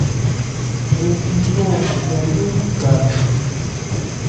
Npi nɔn Yayó wu gba bɛn.